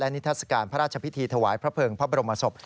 นิทัศกาลพระราชพิธีถวายพระเภิงพระบรมศพ